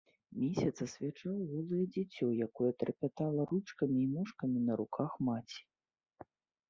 Месяц асвячаў голае дзіцё, якое трапятала ручкамі і ножкамі на руках маці.